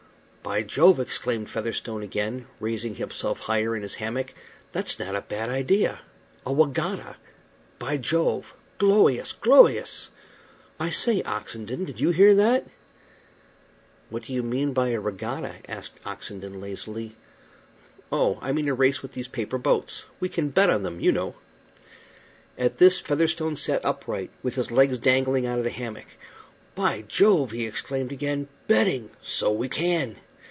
"By Jove!" exclaimed Featherstone again, raising himself higher in his hammock, "that's not a bad idea. A wegatta! By Jove! glowious! glowious! I say, Oxenden, did you hear that?" "What do you mean by a regatta?" asked Oxenden, lazily. "Oh, I mean a race with these paper boats. We can bet on them, you know." At this Featherstone sat upright, with his legs dangling out of the hammock. "By Jove!" he exclaimed again. "Betting! So we can.